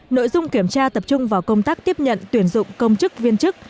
nội dung kiểm tra tập trung vào công tác tiếp nhận tuyển dụng công chức viên chức